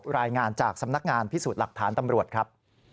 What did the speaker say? รายงานจากสำนักงานพิสูจน์หลักฐานตำรวจครับ